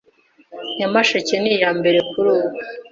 Nyamasheke niya mbere kurubu